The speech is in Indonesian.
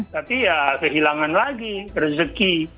tapi ya kehilangan lagi rezeki